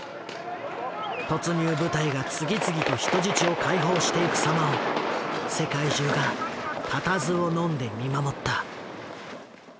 突入部隊が次々と人質を解放していく様を世界中が固唾をのんで見守った。